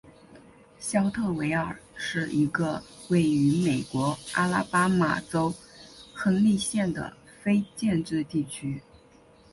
肖特维尔是一个位于美国阿拉巴马州亨利县的非建制地区。